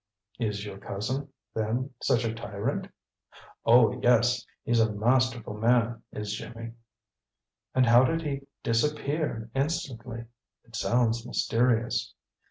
"Is your cousin, then, such a tyrant?" "Oh, yes; he's a masterful man, is Jimmy." "And how did he 'disappear instantly?' It sounds mysterious."